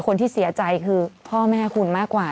คนที่เสียใจคือพ่อแม่คุณมากกว่า